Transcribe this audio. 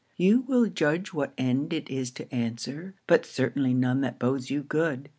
You will judge what end it is to answer; but certainly none that bodes you good.